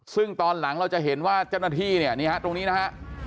ซึ่งตอนหลังเราจะเห็นว่าเจ้าหน้าที่เนี่ยนี่ฮะตรงนี้นะฮะ